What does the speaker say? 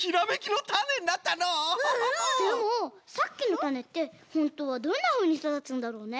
でもさっきのたねってホントはどんなふうにそだつんだろうね？